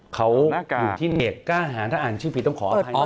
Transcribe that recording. เขาอยู่ที่เน็ตกล้าหาถ้าอ่านชื่อผิดต้องขออภัย